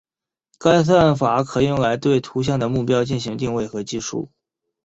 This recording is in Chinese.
该算法可用来对图像的目标进行定位和计数。